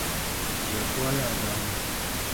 We fuolo edhoga